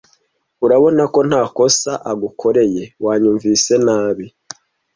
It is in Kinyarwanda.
urabona ko ntakosa agukoreye wanyumvise nabi